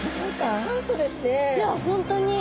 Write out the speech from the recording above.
いや本当に。